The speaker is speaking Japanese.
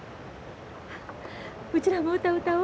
うちらも歌歌おう。